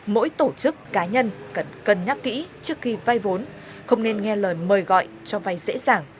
mỗi tổ chức cá nhân cần cân nhắc kỹ trước khi vay vốn không nên nghe lời mời gọi cho vay dễ dàng